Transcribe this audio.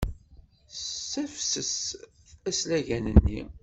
Tessafses aslagen-nni.